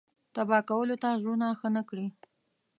تبا کولو ته زړونه ښه نه کړي.